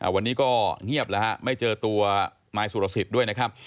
วันนี้ก็เงียบแล้วฮะไม่เจอตัวนายสุรสิทธิ์ด้วยนะครับ